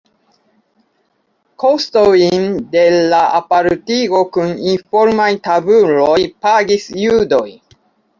Kostojn de la apartigo kun informaj tabuloj pagis judoj.